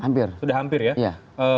hampir sudah hampir ya